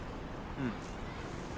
うん。